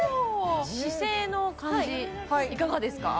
姿勢の感じいかがですか？